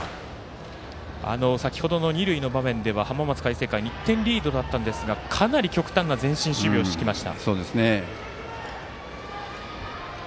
先ほどの二塁の場面では浜松開誠館１点リードだったんですがかなり極端な前進守備を敷きました。